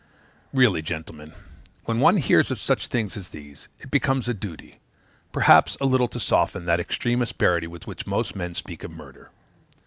Really, gentlemen, when one hears of such things as these, it becomes a duty, perhaps, a little to soften that extreme asperity with which most men speak of murder.